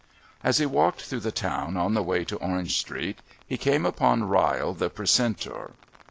As he walked through the town on the way to Orange Street he came upon Ryle, the Precentor.